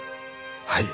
はい。